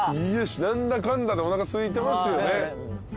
何だかんだでおなかすいてますよね。